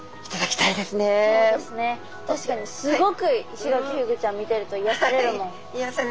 確かにすごくイシガキフグちゃん見てると癒やされるもん。